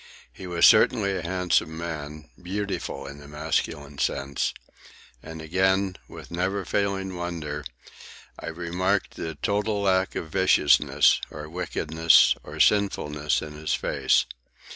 He was certainly a handsome man—beautiful in the masculine sense. And again, with never failing wonder, I remarked the total lack of viciousness, or wickedness, or sinfulness in his face.